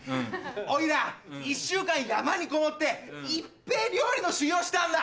おいら１週間山にこもっていっぺぇ料理の修業したんだ。